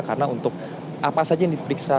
karena untuk apa saja yang diperiksa